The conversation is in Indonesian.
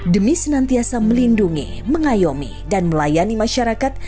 demi senantiasa melindungi mengayomi dan melayani masyarakat